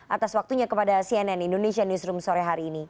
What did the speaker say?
atas waktunya kepada cnn indonesia newsroom sore hari ini